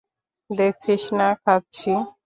দেখছিস না খাচ্ছি?